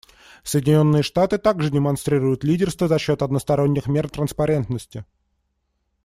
Соединенные Штаты также демонстрируют лидерство за счет односторонних мер транспарентности.